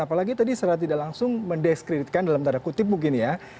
apalagi tadi secara tidak langsung mendeskreditkan dalam tanda kutip mungkin ya